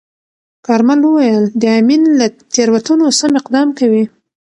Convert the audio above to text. کارمل وویل، د امین له تیروتنو سم اقدام کوي.